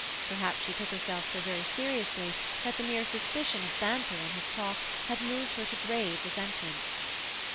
Perhaps she took herself so very seriously that the mere suspicion of banter in his talk had moved her to grave resentment.